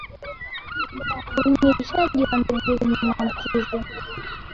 Uhimilishaji wa mbegu zenye maambukizi